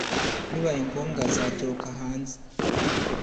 bibaye ngombwa zaturuka hanze